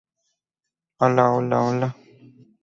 Ambos partidos gubernamentales estaban atascados.